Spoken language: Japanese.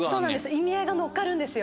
意味合いが乗っかるんですよ